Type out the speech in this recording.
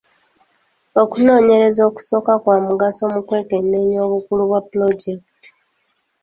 Okunoonyereza okusooka kwa mugaso mu kwekenneenya obukulu bwa pulojekiti.